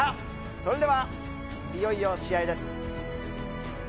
それでは、いよいよ試合です。